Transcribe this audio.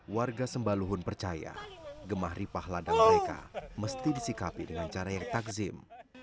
warga sembaluhun percaya gemah ripah ladang mereka mesti disikapi dengan cara yang takzim